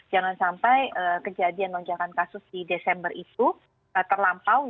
jangan sampai kejadian lonjakan kasus di desember itu terlampau